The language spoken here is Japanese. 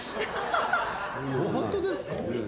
ホントですか？